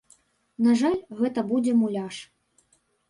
На жаль, гэта будзе муляж.